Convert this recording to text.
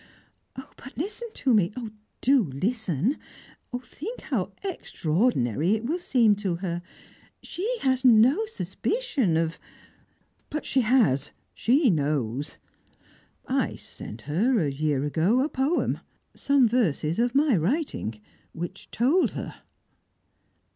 "But listen to me do listen! Think how extraordinary it will seem to her. She has no suspicion of " "She has! She knows! I sent her: a year ago, a poem some verses of my writing, which told her."